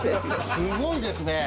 すごいですね。